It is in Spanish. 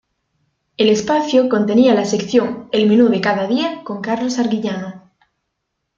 El espacio contenía la sección "El menú de cada día", con Karlos Arguiñano.